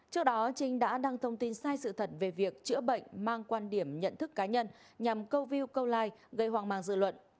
trước đó trinh đã đăng thông tin sai sự thật về việc chữa bệnh mang quan điểm nhận thức cá nhân nhằm câu view câu like gây hoang mang dư luận